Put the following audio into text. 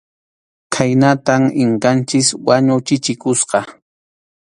Khaynatam Inkanchik wañuchichikusqa.